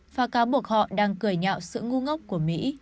và cáo buộc họ đang cười nhạo sự ngu ngốc của mỹ